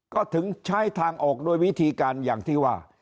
ก็ถึงใช้ทางออกโดยวิธีการอย่างที่ว่า